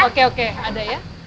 oke oke ada ya